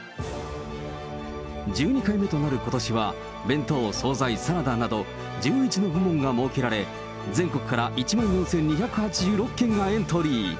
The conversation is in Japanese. １２回目となることしは、弁当、総菜、サラダなど、１１の部門が設けられ、全国から１万４２８６件がエントリー。